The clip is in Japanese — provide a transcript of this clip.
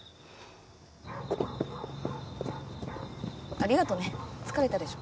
ありがとね疲れたでしょ。